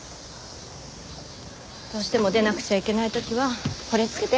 どうしても出なくちゃいけない時はこれつけて。